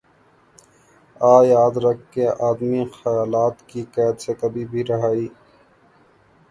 آ۔ یاد رکھ کہ آدمی خیالات کی قید سے کبھی بھی رہائ